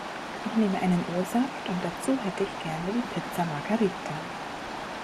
Ich nehme einen O-Saft und dazu hätte ich gerne die Pizza Margherita.